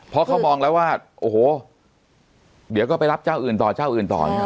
เพราะเขามองแล้วว่าโอ้โหเดี๋ยวก็ไปรับเจ้าอื่นต่อเจ้าอื่นต่อ